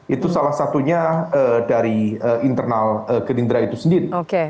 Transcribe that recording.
itu salah satunya dari internal gerindra itu sendiri